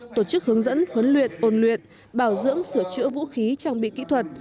tổ chức hướng dẫn huấn luyện ôn luyện bảo dưỡng sửa chữa vũ khí trang bị kỹ thuật